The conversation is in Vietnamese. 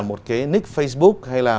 một cái nick facebook hay là